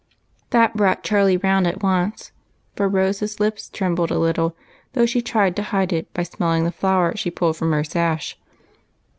That brought Charlie round at once, for Rose's lips trembled a little, though she tried to hide it by smelling the flower she pulled from her sash.